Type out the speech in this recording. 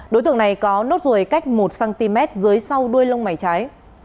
đối tượng này có nốt ruồi cách một cm dưới sau đuôi lông mày trái